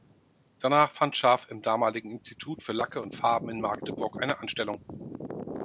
Danach fand Scharf im damaligen Institut für Lacke und Farben in Magdeburg eine Anstellung.